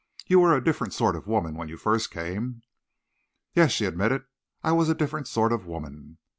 You were a different sort of woman when you first came." "Yes," she admitted, "I was a different sort of woman."